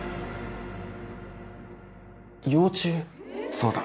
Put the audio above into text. そうだ。